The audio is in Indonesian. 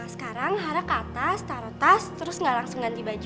sekarang harap ke atas taruh tas terus nggak langsung ganti baju